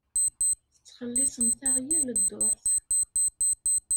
Tettxelliṣemt-aɣ yal dduṛt.